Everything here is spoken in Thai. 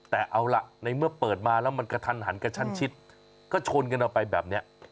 แต่เอาล่ะในเมื่อเปิดมาแล้วมันกระทันหันกระชั้นชิดก็ชนกันออกไปแบบนี้